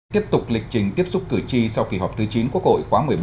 tiếp tục lịch trình tiếp xúc cử tri sau kỳ họp thứ chín quốc hội khóa một mươi bốn